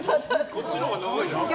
こっちのほうが長いじゃん。